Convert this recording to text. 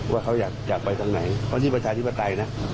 ว่าเขาอยากไปตรงไหนเพราะที่ประชาธิปไตยนะ